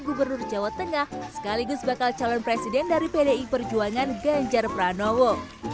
gubernur jawa tengah sekaligus bakal calon presiden dari pdi perjuangan ganjar pranowo